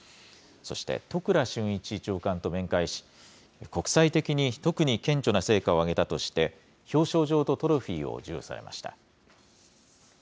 そして、都倉俊一長官と面会し、国際的に特に顕著な成果を上げたとして、表彰状とトロフィーを授与されました。